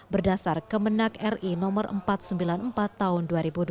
berdasar kemenang ri no empat ratus sembilan puluh empat tahun dua ribu dua puluh